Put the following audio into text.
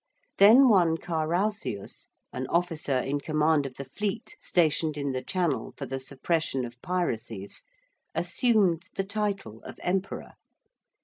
Then one Carausius, an officer in command of the fleet stationed in the Channel for the suppression of piracies, assumed the title of emperor.